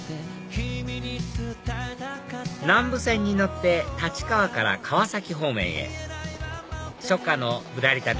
南武線に乗って立川から川崎方面へ初夏のぶらり旅